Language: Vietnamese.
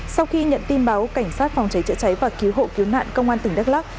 sau khi nhận tin báo cảnh sát phòng cháy chữa cháy và cứu hộ cứu nạn công an tỉnh đắk lắc